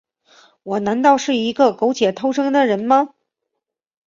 我难道是一个苟且偷生的人吗？